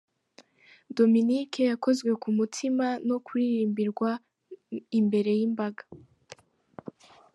Dominic yakozwe ku mutima no kuririmbirwa imbere y’imbaga.